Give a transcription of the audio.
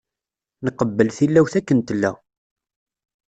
Nqebbel tilawt akken tella.